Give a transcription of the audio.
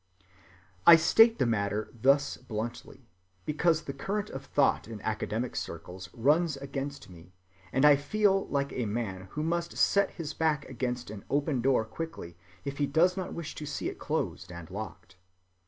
I state the matter thus bluntly, because the current of thought in academic circles runs against me, and I feel like a man who must set his back against an open door quickly if he does not wish to see it closed and locked.